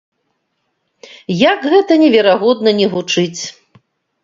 Як гэта неверагодна ні гучыць.